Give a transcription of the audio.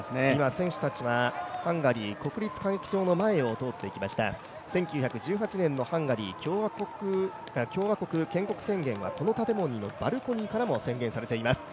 選手たちはハンガリー国立歌劇場の前を通っていきましたハンガリー共和国の建国宣言は、バルコニーからも宣言されています。